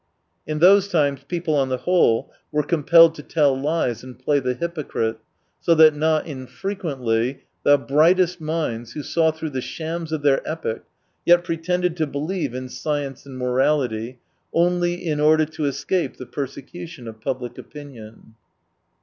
In ii8 those times people, on the whole, were compelled to tell lies and play the hypocrite, so that not infrequently the brightest minds, who saw through the shams of their epoch, yet pretended to believe in science and morality, only in order to escape the persecu tion of public opinion."